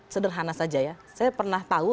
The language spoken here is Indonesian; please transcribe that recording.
sederhana saja ya saya pernah tahu